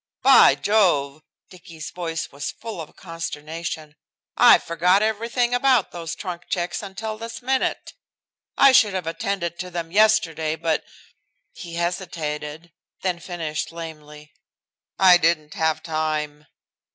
"By Jove!" Dicky's voice was full of consternation. "I forgot everything about those trunk checks until this minute. I should have attended to them yesterday, but" he hesitated, then finished lamely "I didn't have time."